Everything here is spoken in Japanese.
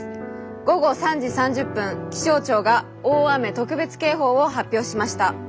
午後３時３０分気象庁が大雨特別警報を発表しました。